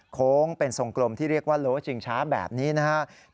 โค้งเป็นทรงกลมที่เรียกว่าโลชิงช้าแบบนี้นะครับ